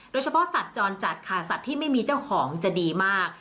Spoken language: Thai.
สัตว์จรจัดค่ะสัตว์ที่ไม่มีเจ้าของจะดีมาก